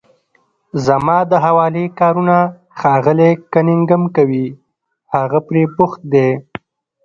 زما د حوالې کارونه ښاغلی کننګهم کوي، هغه پرې بوخت دی.